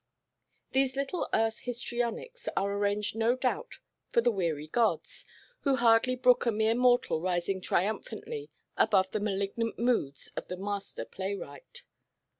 These little Earth histrionics are arranged no doubt for the weary gods, who hardly brook a mere mortal rising triumphantly above the malignant moods of the master playwright.